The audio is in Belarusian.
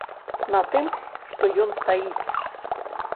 На тым, што ён стаіць.